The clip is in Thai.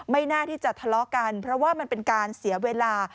ไม่น่าที่จะทะเลาะกันเพราะว่ามันเป็นการเสียเวลา